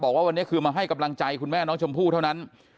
บอกว่าวันนี้คือมาให้กำลังใจคุณแม่น้องชมพู่เท่านั้น